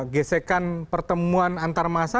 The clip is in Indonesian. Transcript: gesekan pertemuan antar masa